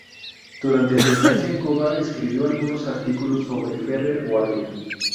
Durante su estancia en Cuba escribió algunos artículos sobre Ferrer Guardia.